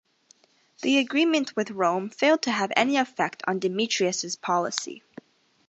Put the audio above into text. The agreement with Rome failed to have any effect on Demetrius' policy.